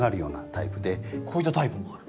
こういったタイプもある。